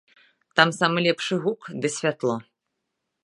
Там самы лепшы гук ды святло.